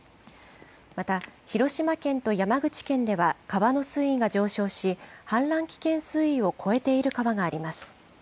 また、広島県と山口県では川の水位が上昇し、氾濫危険水位を超えている川があります。